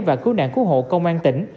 và cứu nạn cứu hộ công an tỉnh